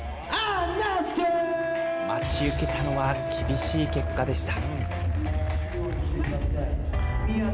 待ち受けたのは厳しい結果でした。